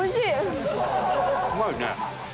うまいよね。